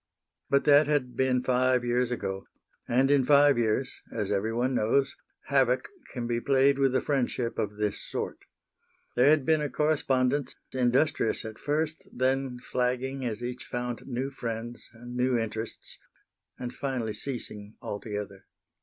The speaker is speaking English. But that had been five years ago, and in five years, as everyone knows, havoc can be played with a friendship of this sort. There had been a correspondence, industrious at first, then flagging as each found new friends and new interests, and finally ceasing altogether.